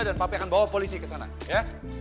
dan papi akan bawa polisi kesana ya